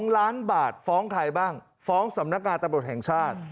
๑ล้านบาทฟ้องใครบ้างฟ้องสำนักงานตำรวจแห่งชาติ